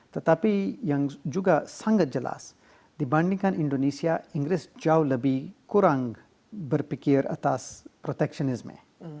tetapi yang juga sangat jelas dibandingkan indonesia inggris jauh lebih kurang berpikir atas proteksionisme